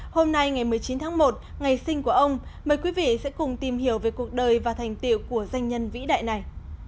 hôm nay ngày một mươi chín tháng một ngày sinh của ông mời quý vị sẽ cùng tìm hiểu về cuộc đời và thành tiệu của danh nhân vĩ đại này